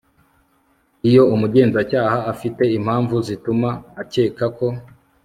Iyo umugenzacyaha afite impamvu zituma akeka ko